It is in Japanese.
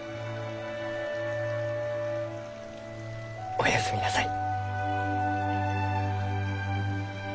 おやすみなさい。